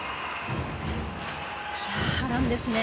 波乱ですね。